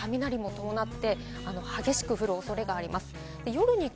雷も伴って激しく降るおそれがあります。